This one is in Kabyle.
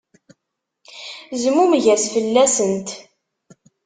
Zmumeg-as fell-asent.